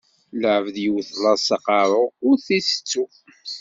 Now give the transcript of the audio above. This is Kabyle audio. Lɛebd yewwet laẓ s aqeṛṛu, ur t-itettu.